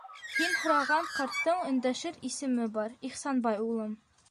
Һин һораған ҡарттың өндәшер исеме бар, Ихсанбай улым.